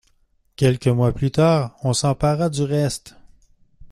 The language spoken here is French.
Quelques mois plus tard on s'empara du reste.